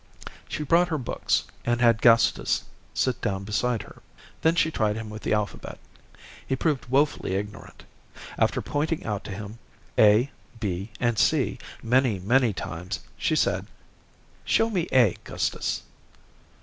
She brought her books, and had Gustus sit down beside her. Then she tried him with the alphabet. He proved woefully ignorant. After pointing out to him, A, B, and C, many, many times, she said: "Show me A, Gustus."